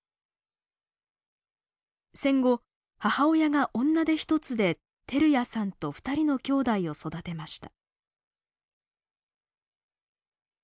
戦後母親が女手一つで照屋さんと２人の兄弟を育てました。